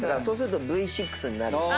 そうするとＶ６になる。